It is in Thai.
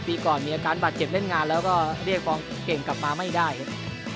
ปีก่อนมีอาการบาดเจ็บเล่นงานแล้วก็เรียกฟอร์มเก่งกลับมาไม่ได้ครับ